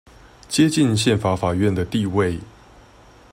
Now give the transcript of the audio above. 接近憲法法院的地位